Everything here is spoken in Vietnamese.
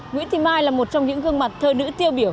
nguyễn thị mai là một trong những gương mặt thơ nữ tiêu biểu